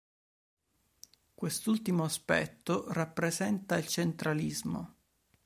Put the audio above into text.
Quest'ultimo aspetto rappresenta il "centralismo".